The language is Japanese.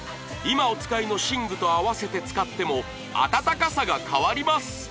今お使いの寝具と合わせて使ってもあたたかさが変わります